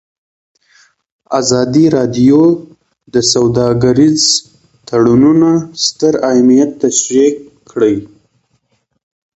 ازادي راډیو د سوداګریز تړونونه ستر اهميت تشریح کړی.